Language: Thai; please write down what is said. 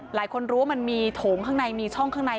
หลายคนรู้ว่ามันมีโถงข้างในมีช่องข้างใน